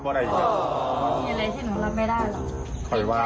ขออันที่เบาดีหรือเปล่าเบามาก